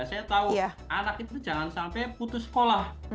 saya tahu anak itu jangan sampai putus sekolah